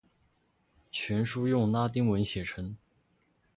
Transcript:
全书用拉丁文写成。